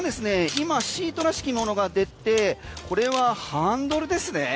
今、シートらしきものが出てこれはハンドルですね。